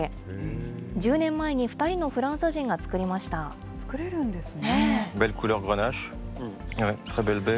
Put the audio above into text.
１０年前に２人のフランス人が作作れるんですね。